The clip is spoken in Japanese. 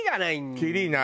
きりない。